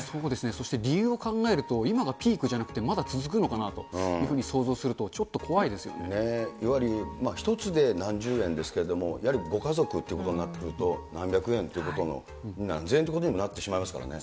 そして理由を考えると、今がピークじゃなくてまだ続くのかなというふうに想像すると、やはり、１つで何十円ですけど、やはりご家族ということになってくると、何百円と、何千円ということになってしまいますからね。